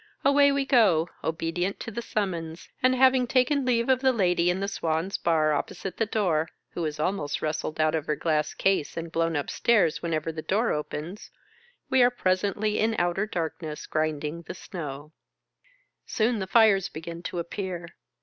Away we go, obedient to the summons, and, having taken leave of the lady in the Swan's bar opposite the door, who is almost rustled out of her glass case and blown up stairs when ever the door opens, we are presently in outer darkness grinding the snow. Soon the fh^es begin to appear.